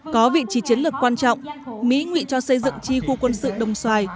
có vị trí chiến lược quan trọng mỹ ngụy cho xây dựng chi khu quân sự đồng xoài